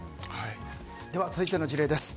続いての事例です。